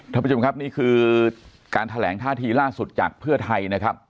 ท่านผู้ชมครับนี่คือการแถลงท่าทีล่าสุดจากเพื่อไทยนะครับ